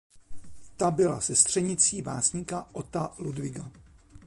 Ta byla sestřenicí básníka Otta Ludwiga.